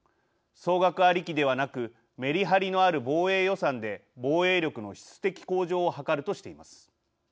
総額ありきではなくメリハリのある防衛予算で防衛力の質的向上を図るとしています。